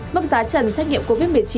mức giá trần xét nghiệm covid một mươi chín